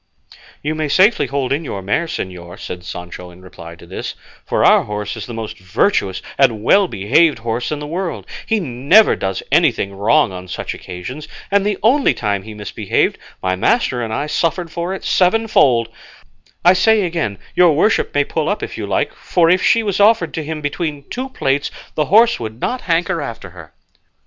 "You may safely hold in your mare, señor," said Sancho in reply to this, "for our horse is the most virtuous and well behaved horse in the world; he never does anything wrong on such occasions, and the only time he misbehaved, my master and I suffered for it sevenfold; I say again your worship may pull up if you like; for if she was offered to him between two plates the horse would not hanker after her."